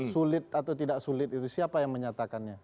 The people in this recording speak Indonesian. sulit atau tidak sulit itu siapa yang menyatakannya